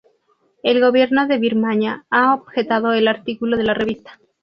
El gobierno de Birmania ha objetado al artículo de la revista.